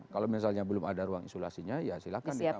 kalau misalnya belum ada ruang isolasinya ya silahkan ditangkap